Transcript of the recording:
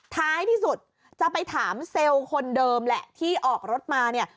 ท้ายที่สุดจะไปถามเซลล์คนเดิมแหละที่ออกรถมาเนี่ย